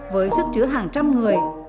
với sức chứa hàng trăm người